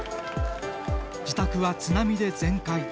自宅は津波で全壊。